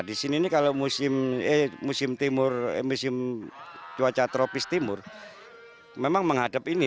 di sini kalau musim cuaca tropis timur memang menghadap ini